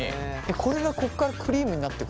これがここからクリームになっていく？